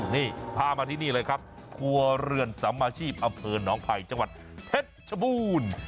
นี่พามาที่นี่เลยครับครัวเรือนสำอาชีพอำเภอน้องไผ่จังหวัดเพชรชบูรณ์